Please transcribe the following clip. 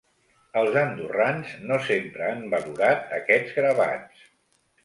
Els andorrans no sempre han valorat aquests gravats.